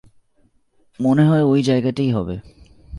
মনে হয় ঐ জায়গাটাই হবে।